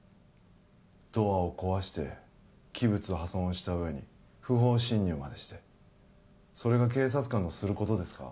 ドアを壊して器物破損をした上に不法侵入までしてそれが警察官のすることですか？